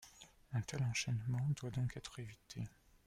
Un tel enchaînement doit donc être évité.